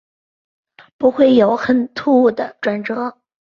不会有很突兀的转折